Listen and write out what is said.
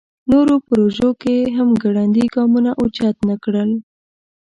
نورو پروژو کې یې هم ګړندي ګامونه اوچت نکړل.